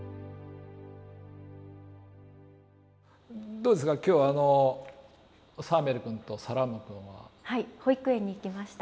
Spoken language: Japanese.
どうですか今日はサーメル君とサラーム君は。はい保育園に行きました。